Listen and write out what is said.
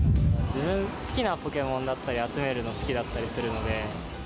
自分、好きなポケモンだったり集めるの好きだったりするので。